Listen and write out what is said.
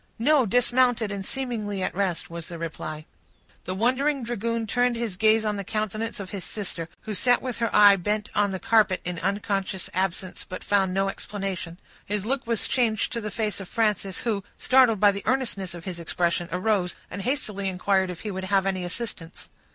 "No, dismounted, and seemingly at rest," was the reply. The wondering dragoon turned his gaze on the countenance of his sister, who sat with her eye bent on the carpet in unconscious absence, but found no explanation. His look was changed to the face of Frances, who, startled by the earnestness of his expression, arose, and hastily inquired if he would have any assistance.